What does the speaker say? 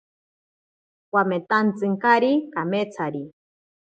Wametantsinkari kametsari.